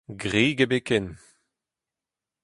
Grik ebet ken !